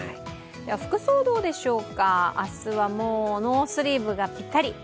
服装はどうでしょうか、明日はもうノースリーブがぴったり。